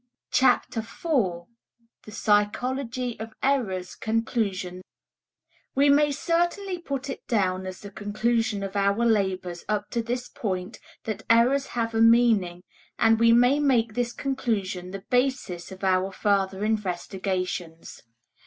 FOURTH LECTURE THE PSYCHOLOGY OF ERRORS (Conclusion) We may certainly put it down as the conclusion of our labors up to this point that errors have a meaning, and we may make this conclusion the basis of our further investigations.